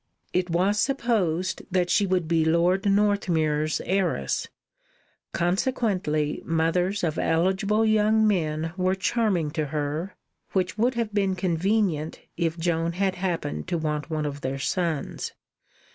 It was supposed that she would be Lord Northmuir's heiress; consequently mothers of eligible young men were charming to her, which would have been convenient if Joan had happened to want one of their sons.